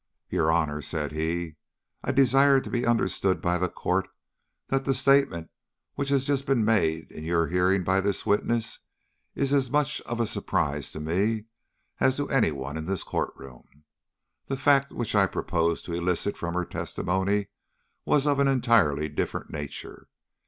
"Your Honor," said he, "I desire to be understood by the Court, that the statement which has just been made in your hearing by this witness, is as much of a surprise to me as to any one in this court room. The fact which I proposed to elicit from her testimony was of an entirely different nature.